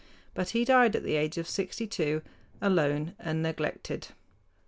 But he died at the age of sixty two, alone and neglected.